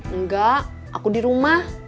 enggak aku di rumah